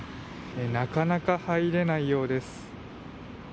なかなか入れないようです。